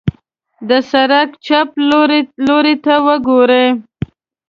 د سړک چپ لورته وګورئ.